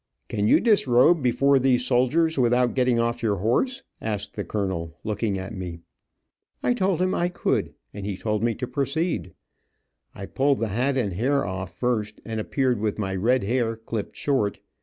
"Can you disrobe, before these soldiers, without getting off your horse?" asked the colonel, looking at me. I told him I could and he told me to proceed. I pulled the hat and hair off first and appeared with my red hair clipped short.